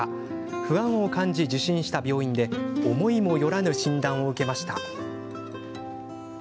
不安を感じ受診した病院で思いもよらぬ診断を受けました。